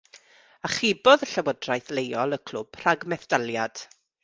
Achubodd y llywodraeth leol y clwb rhag methdaliad.